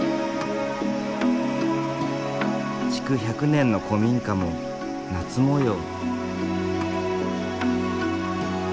築１００年の古民家も夏模様。